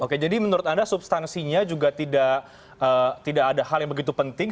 oke jadi menurut anda substansinya juga tidak ada hal yang begitu penting